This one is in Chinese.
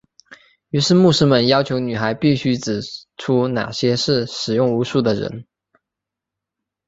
于是牧师们要求女孩必须指出哪些是使用巫术的人。